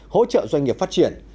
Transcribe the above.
hỗ trợ doanh nghiệp phát triển